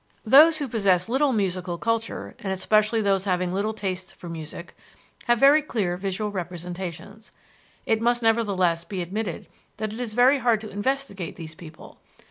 Those who possess little musical culture, and especially those having little taste for music, have very clear visual representations. It must nevertheless be admitted that it is very hard to investigate these people.